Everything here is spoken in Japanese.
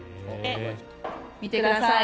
見てください。